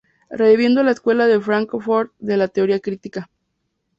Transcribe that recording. Revivieron la Escuela de Fráncfort de la Teoría crítica.